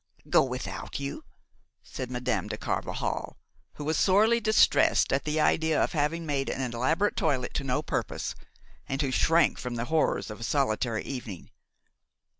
"Go without you!" said Madame de Carvajal, who was sorely distressed at the idea of having made an elaborate toilet to no purpose, and who shrank from the horrors of a solitary evening.